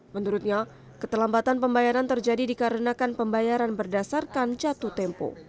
menurutnya keterlambatan pembayaran terjadi dikarenakan pembayaran berdasarkan jatuh tempo